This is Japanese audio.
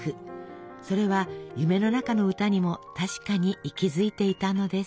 それは「夢の中の歌」にも確かに息づいていたのです。